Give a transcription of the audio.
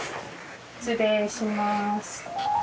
失礼します